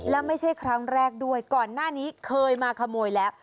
แล้วไม่ใช่ครั้งแรกด้วยก่อนหน้านี้เคยมาขโมยแล้ว